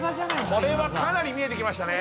これはかなり見えてきましたね。